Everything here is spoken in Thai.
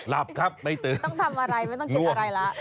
หลับครับไม่ตื่นต้องทำอะไรไม่ต้องกินอะไรแล้ว